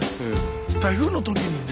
台風の時にね